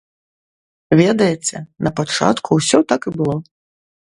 Ведаеце, на пачатку ўсё так і было.